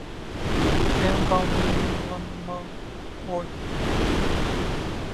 Sen gamlanma, goý